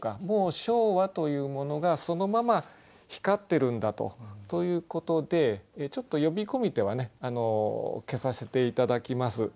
もう唱和というものがそのまま光ってるんだと。ということでちょっと「呼び込みて」は消させて頂きます。